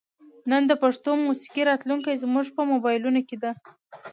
نن د پښتو موسیقۍ راتلونکې زموږ په موبایلونو کې ده.